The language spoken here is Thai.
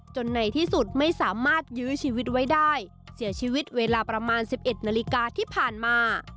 ในที่สุดไม่สามารถยื้อชีวิตไว้ได้เสียชีวิตเวลาประมาณ๑๑นาฬิกาที่ผ่านมา